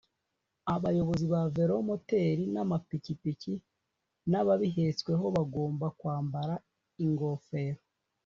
Abayobozi ba velomoteri n amapikipiki n ababihetsweho bagomba kwambara ingofero